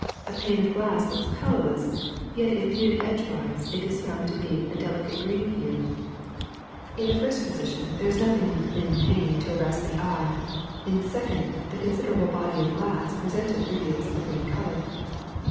A pane of glass looks colorless, yet if viewed edgewise it is found to be of a delicate green hue. In the first posi tion there is nothing in the thin pane to arrest the 320 THE ATMOSPHERE 321 eye ; in the second, the considerable body of glass pre sented reveals the green color.